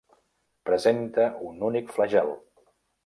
Presenta un únic flagel.